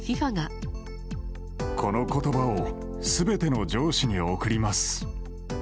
この言葉を全ての上司に贈ります。